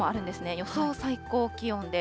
予想最高気温です。